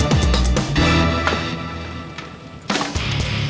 lo sudah bisa berhenti